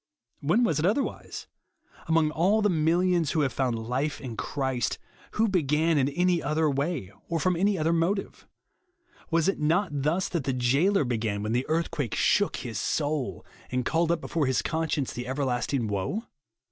When was it otherwise ? Among all the millions v/ho have found life in Christ, who began in any other way, or from any higher motive ? Was it not thus that the jailor 170 JESUS ONLY. began when the earthquake shook his soul, and called up before his conscience the everlasting woe